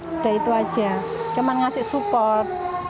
sudah itu saja cuma memberikan support